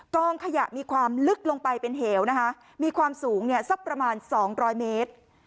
กองขยะมีความลึกลงไปเป็นเหวนะคะมีความสูงเนี่ยสักประมาณ๒๐๐เมตร